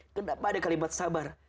kenapa ada kalimat sabar